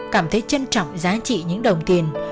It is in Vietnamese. cảm thấy trân trọng giá trị những đồng tiền